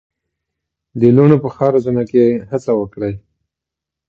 د لوڼو په ښه روزنه کې هڅه وکړئ.